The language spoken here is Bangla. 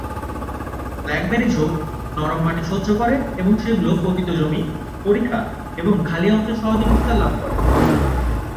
ব্ল্যাকবেরি ঝোপ নরম মাটি সহ্য করে এবং সেগুলো পতিত জমি, পরিখা এবং খালি অংশে সহজে বিস্তার লাভ করে।